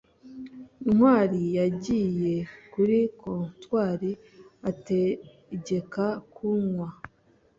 ntwali yagiye kuri comptoir ategeka kunywa